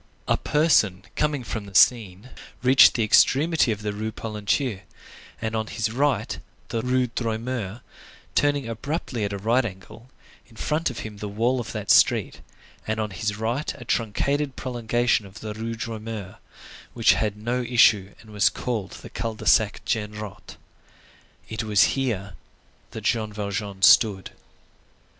A person coming from the Seine reached the extremity of the Rue Polonceau, and had on his right the Rue Droit Mur, turning abruptly at a right angle, in front of him the wall of that street, and on his right a truncated prolongation of the Rue Droit Mur, which had no issue and was called the Cul de Sac Genrot. It was here that Jean Valjean stood.